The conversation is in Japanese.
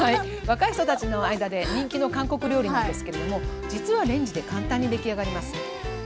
若い人たちの間で人気の韓国料理なんですけれども実はレンジで簡単に出来上がります。